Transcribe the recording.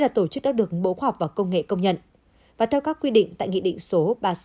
là tổ chức đã được bộ khoa học và công nghệ công nhận và theo các quy định tại nghị định số ba mươi sáu hai nghìn một mươi sáu